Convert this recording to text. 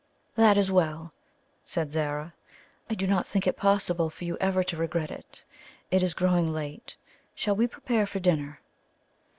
"That is well," said Zara. "I do not think it possible for you ever to regret it. It is growing late shall we prepare for dinner?"